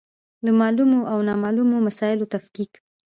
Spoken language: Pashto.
د معلومو او نامعلومو مسایلو تفکیک.